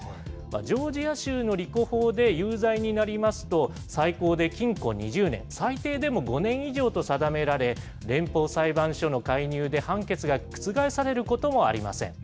ジョージア州のＲＩＣＯ法で有罪になりますと、最高で禁固２０年、最低でも５年以上と定められ、連邦裁判所の介入で判決が覆されることもありません。